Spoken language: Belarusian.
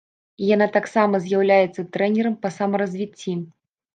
І яна таксама з'яўляецца трэнерам па самаразвіцці!